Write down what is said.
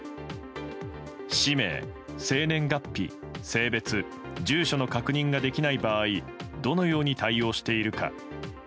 氏名、生年月日、性別住所の確認ができない場合どのように対応しているか。